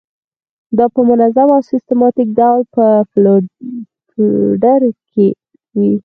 دا په منظم او سیستماتیک ډول په فولډر کې وي.